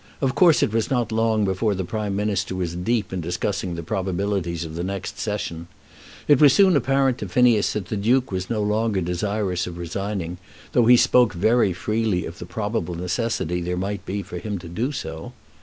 Of course it was not long before the Prime Minister was deep in discussing the probabilities of the next Session. It was soon apparent to Phineas that the Duke was no longer desirous of resigning, though he spoke very freely of the probable necessity there might be for him to do so.